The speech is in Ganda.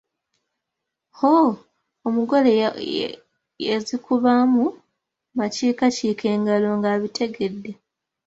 Hooo omugole yazikubamu makiikakiika engalo ng'abitegedde.